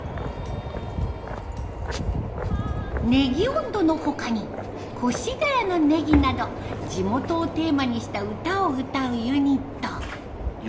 葱音頭の他に「越谷の葱」など地元をテーマにした歌を歌うユニット。